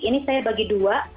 ini saya bagi dua